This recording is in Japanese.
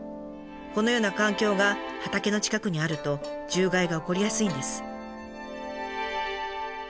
このような環境が畑の近くにあると獣害が起こりやすいんです。